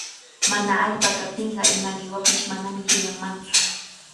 Mana allpa kaptinqa ima qiwapish manami hiqanmantsu.